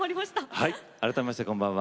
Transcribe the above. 改めまして、こんばんは。